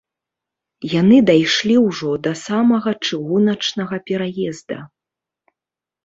Яны дайшлі ўжо да самага чыгуначнага пераезда.